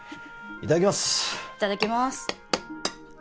いただきまーす